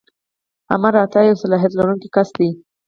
آمر اعطا یو صلاحیت لرونکی کس دی.